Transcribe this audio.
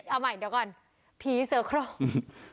เอาใหม่เดี๋ยวก่อนผีเสือโครง